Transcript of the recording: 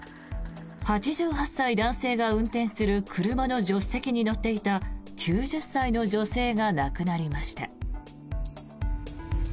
８８歳男性が運転する車の助手席に乗っていた９０歳の女性が亡くなりました。